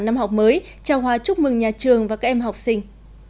năm học mới chào hòa chúc mừng nhà trường và các em học sinh